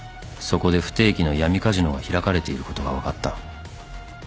そこで不定期の闇カジノが開かれていることが分かった］